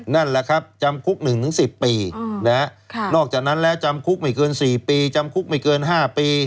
นั่นแหละครับจำคุก๑๑๐ปีนอกจากนั้นแล้วจำคุกไม่เกิน๔ปีจำคุกไม่เกิน๕ปี